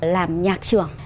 làm nhạc trường